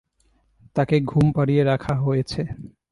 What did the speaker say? তাঁকে ঘুম পাড়িয়ে রাখা হয়েছে।